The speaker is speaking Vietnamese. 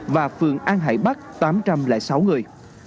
và phường an hải bắc tám trăm một mươi người